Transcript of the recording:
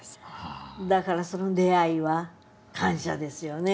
だからその出会いは感謝ですよね。